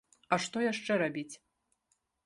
А што яшчэ рабіць?!